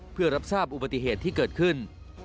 เพื่อรับทราบอุบัติเหตุที่เกิดขึ้น